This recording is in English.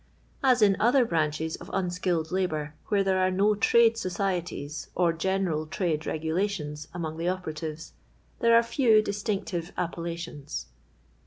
As in other branches of unskilled la bour where there are no trade societies or general trade regulations among the operatives, there are few distinctixc appellations.